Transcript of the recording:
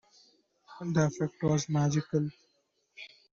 The effect was magical.